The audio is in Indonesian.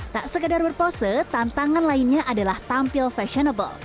tak sekedar berpose tantangan lainnya adalah tampil fashionable